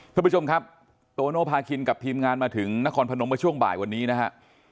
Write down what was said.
คุณผู้ชมครับโตโนภาคินกับทีมงานมาถึงนครพนมเมื่อช่วงบ่ายวันนี้นะฮะ